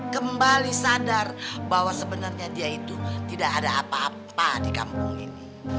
kembali sadar bahwa sebenarnya dia itu tidak ada apa apa di kampung ini